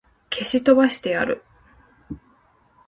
消し飛ばしてやる!